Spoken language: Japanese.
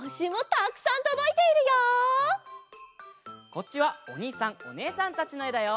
こっちはおにいさんおねえさんたちのえだよ。